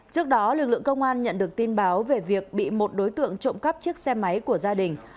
trước đó lực lượng công an nhận được tin báo về việc bị một đối tượng trộm cắp chiếc xe máy của gia đình